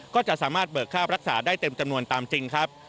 ก็จะสามารถเบิกค่ารักษาได้เต็มจำนวนตามจริงครับ